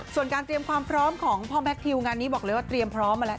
ส่วนการเตรียมความพร้อมของพ่อแมททิวงานนี้บอกเลยว่าเตรียมพร้อมมาแล้ว